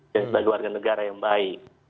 dan sebagai warga negara yang baik